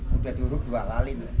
sudah diurup dua kali